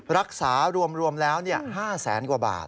รักษารวมแล้ว๕แสนกว่าบาท